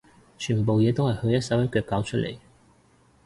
全部嘢都係佢一手一腳搞出嚟